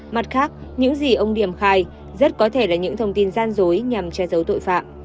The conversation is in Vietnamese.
mặt khác những gì ông điểm khai rất có thể là những thông tin gian dối nhằm che giấu tội phạm